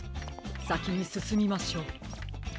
さきにすすみましょう。